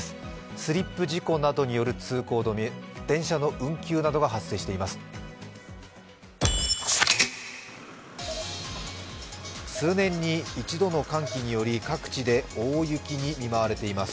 スリップ事故などによる通行止め電車の運休などが発生しています。